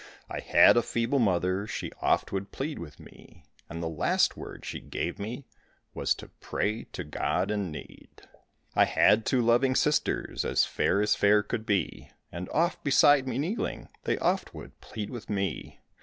I had a feeble mother, She oft would plead with me; And the last word she gave me Was to pray to God in need. I had two loving sisters, As fair as fair could be, And oft beside me kneeling They oft would plead with me.